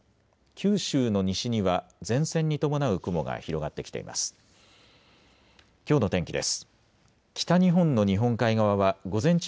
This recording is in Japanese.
九州の西には前線に伴う雲が広がってきています。